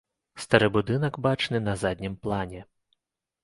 Стары будынак бачны на заднім плане.